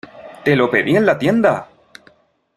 ¡ Te lo pedí en la tienda!